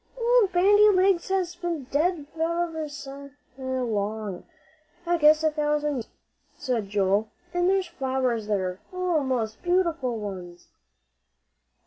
"Old Bandy Legs has been dead ever'n ever so long. I guess a thousand years," said Joel; "an' there's flowers there oh, most beautiful ones!"